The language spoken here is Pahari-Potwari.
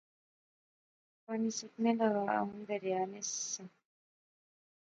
پانی سکنے لاغا، ہن دریا نہسا